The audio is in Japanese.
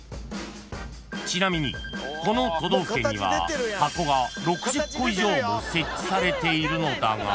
［ちなみにこの都道府県には箱が６０個以上も設置されているのだが］